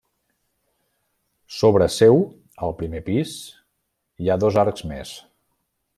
Sobre seu, al primer pis, hi ha dos arcs més.